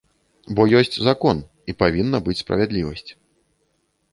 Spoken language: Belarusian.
Бо ёсць закон, і павінна быць справядлівасць.